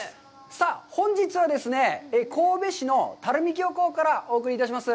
さあ、本日はですね、神戸市の垂水漁港からお送りいたします。